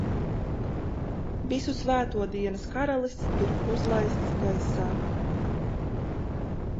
Visu Svēto dienas karalis ir uzlaists gaisā!